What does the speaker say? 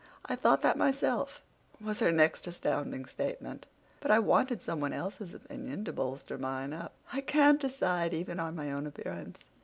"I thought that myself," was her next astounding statement, "but I wanted some one else's opinion to bolster mine up. I can't decide even on my own appearance.